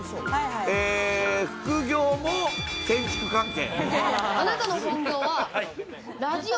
副業も建築関係。